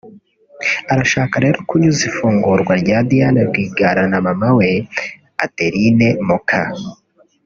Arashaka rero kunyuza ifungurwa rya Diane Rwigara na mama we Adeline Muk